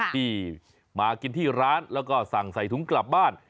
ที่มากินที่ร้านแล้วก็สั่งใส่ถุงกลับบ้าน